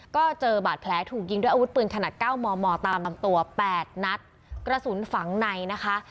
ก็เจอบาดแผลถูกยิงด้วยอาวุธปืนขนาดเก้ามอมอตามลำตัวแปดนัดกระสุนฝังในนะคะ